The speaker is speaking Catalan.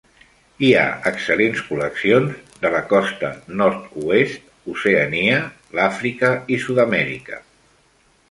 Hi ha excel·lents col·leccions de la costa nord-oest, Oceania, l'Àfrica i Sud-amèrica.